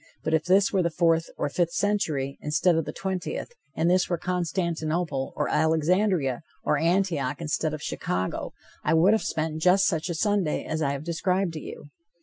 But if this were the fourth or the fifth century, instead of the twentieth, and this were Constantinople, or Alexandria, or Antioch, instead of Chicago, I would have spent just such a Sunday as I have described to you.